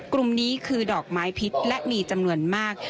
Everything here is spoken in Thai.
กลุ่มนี้คือดอกไม้พิษและมีจำนวนมาก